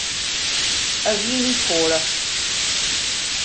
A dhaoine córa,